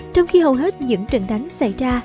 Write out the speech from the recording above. trong khi hầu hết những trận đánh xảy ra